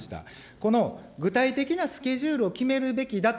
この具体的なスケジュールを決めるべきだと、